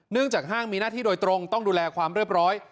จากห้างมีหน้าที่โดยตรงต้องดูแลความเรียบร้อย